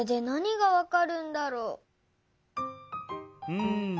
うん。